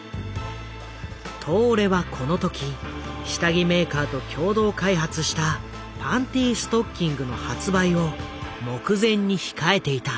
東レはこの時下着メーカーと共同開発したパンティストッキングの発売を目前に控えていた。